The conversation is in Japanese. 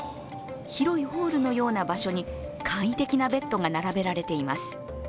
広いホールのような場所に簡易的なベッドが並べられています。